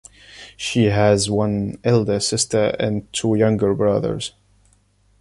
She has one elder sister and two younger brothers.